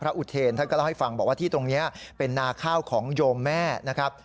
อุเทรนท่านก็เล่าให้ฟังบอกว่าที่ตรงนี้เป็นนาข้าวของโยมแม่นะครับ